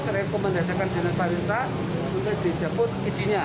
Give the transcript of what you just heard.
kita rekomendasikan dengan pariwisata untuk dijabut izinnya